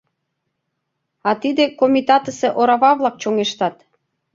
А тиде комитатысе орава-влак чоҥештат.